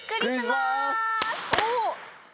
おっ！